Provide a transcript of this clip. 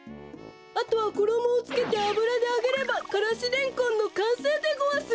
あとはころもをつけてあぶらであげればからしレンコンのかんせいでごわす！